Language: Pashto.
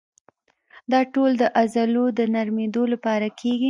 دا ټول د عضلو د نرمېدو لپاره کېږي.